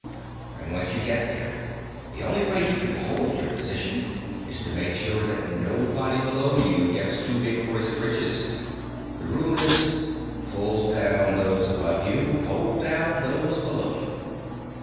And once you get there, the only way you can hold your position is to make sure that nobody below you gets too big for his britches. The rule is: Pull down those above you, hold down those below you.